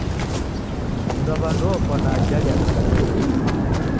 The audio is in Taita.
Mnduwaw'andu ofwa na ajali ya pikipiki.